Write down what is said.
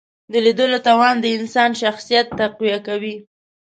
د لیدلو توان د انسان شخصیت تقویه کوي